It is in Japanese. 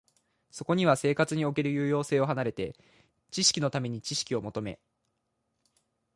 そこには生活における有用性を離れて、知識のために知識を求め、